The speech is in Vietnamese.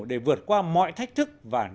để vượt qua mọi thách thức